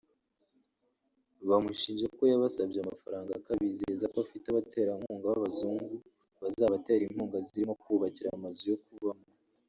bamushinja ko yabasabye amafaranga akabizeza ko afite abaterankunga b’abazungu bazabatera inkunga zirimo kububakira amazu yo kubamo